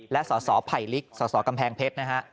และสสไผ่ลิกสสกำแพงเพชรนะฮะ